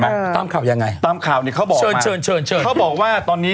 ตามข่าวจะยังไง